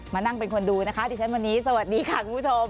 มานั่งเป็นคนดูนะคะดิฉันวันนี้สวัสดีค่ะคุณผู้ชม